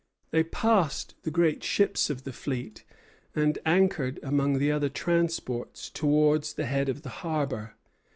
They passed the great ships of the fleet, and anchored among the other transports towards the head of the harbor.